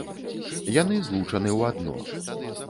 Яны злучаны ў адно.